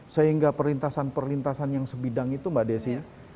sehingga perlintasan perlintasan yang sebidang itu mbak desi